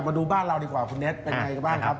กลับมาดูบ้านเราดีกว่าคุณเน็ตเป็นอย่างไรกับบ้านครับ